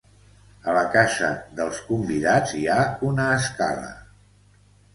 A la casa dels convidats hi ha una escala.